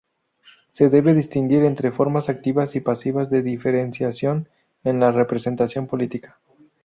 Se debe distinguir entre formas activas y pasivas de diferenciación en la "representación política".